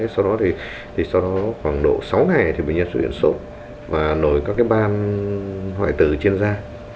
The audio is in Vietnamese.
sau đó khoảng độ sáu ngày thì bệnh nhân xuất hiện sốt và nổi các ban hoại tử trên da